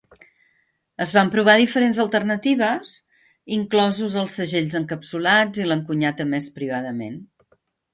Es van provar diferents alternatives, inclosos els segells encapsulats i l'encunyat emès privadament.